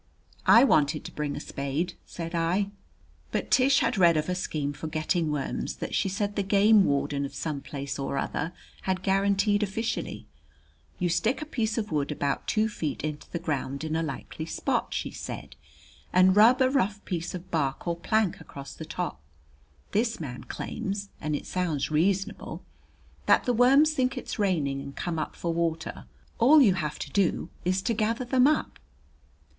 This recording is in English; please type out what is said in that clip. "I wanted to bring a spade," said I. But Tish had read of a scheme for getting worms that she said the game warden of some place or other had guaranteed officially. "You stick a piece of wood about two feet into the ground in a likely spot," she said, "and rub a rough piece of bark or plank across the top. This man claims, and it sounds reasonable, that the worms think it is raining and come up for water. All you have to do is to gather them up."